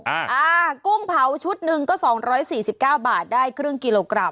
อ่ากุ้งเผาชุดหนึ่งก็๒๔๙บาทได้ครึ่งกิโลกรัม